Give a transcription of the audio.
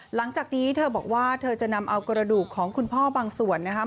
หลังจากนี้เธอบอกว่าเธอจะนำเอากระดูกของคุณพ่อบางส่วนนะครับ